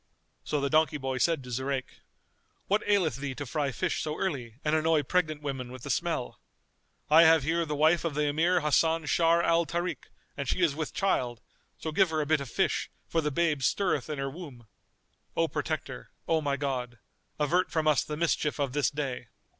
So the donkey boy said to Zurayk, "What aileth thee to fry fish so early and annoy pregnant women with the smell? I have here the wife of the Emir Hasan Sharr al Tarik, and she is with child; so give her a bit of fish, for the babe stirreth in her womb. O Protector, O my God, avert from us the mischief of this day!"